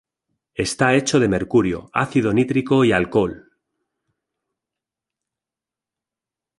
Está hecho de mercurio, ácido nítrico y alcohol.